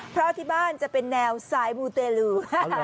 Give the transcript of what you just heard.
เพราะที่บ้านจะเป็นแนวสายมูเตลู